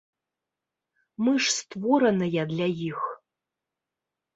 Мы ж створаныя для іх.